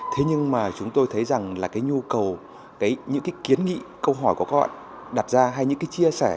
thế nhưng mà chúng tôi thấy rằng là cái nhu cầu những cái kiến nghị câu hỏi của các bạn đặt ra hay những cái chia sẻ